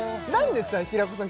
平子さん